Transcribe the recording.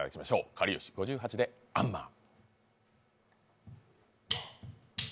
かりゆし５８で「アンマー」。